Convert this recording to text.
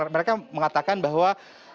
mereka mengatakan bahwa